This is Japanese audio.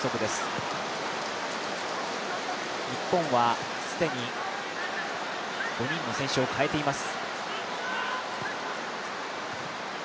日本は既に５人の選手を代えています。